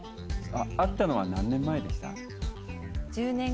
会ったのは何年前でした？